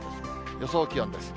予想気温です。